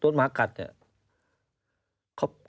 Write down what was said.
โดนหมากัดเนี่ย